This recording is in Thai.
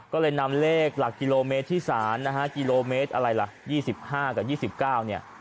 ก็เลยนำเลขหลักกิโลเมตรที่๓นะฮะกิโลเมตรอะไรล่ะ๒๕กับ๒๙เนี่ย